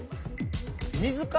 水か？